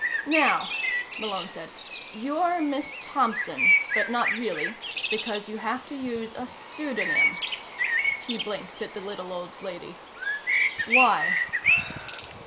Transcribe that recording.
"Now," Malone said. "You're Miss Thompson, but not really, because you have to use a pseudonym." He blinked at the little old lady. "Why?"